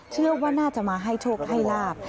เชื่อว่าน่าจะมาให้โชคให้ลาบ